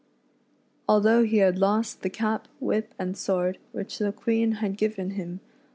Although he had lost the cap, whip, and sword, which the Queen had given him.